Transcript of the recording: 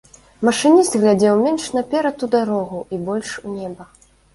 Машыніст глядзеў менш наперад у дарогу і больш у неба.